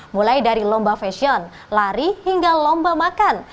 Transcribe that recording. mulai dari lomba fashion lari hingga lomba makan